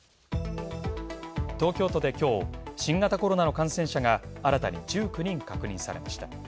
東京都で今日新型コロナの感染者が新たに１９人確認されました。